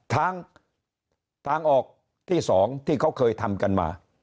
ทางออกที่๒ที่เขาเคยทำกันมา